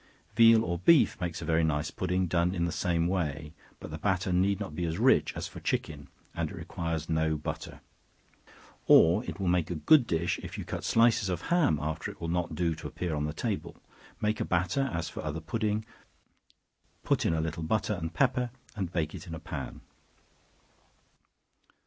Veal or beef makes a very nice pudding, done in the same way; but the batter need not be as rich as for chicken, and it requires no butter. Or it makes a good dish, if you cut slices of ham, after it will not do to appear on the table; make a batter, as for other pudding; put in a little butter and pepper, and bake it in a pan.